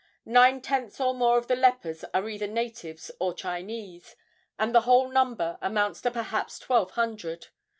Nine tenths or more of the lepers are either natives or Chinese, and the whole number amounts to perhaps twelve hundred.